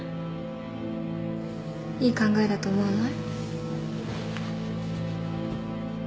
いい考えだと思わない？